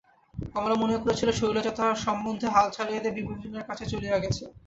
কমলা মনে করিয়াছিল, শৈলজা তাহার সম্বন্ধে হাল ছাড়িয়া দিয়া বিপিনের কাছে চলিয়া গেছে।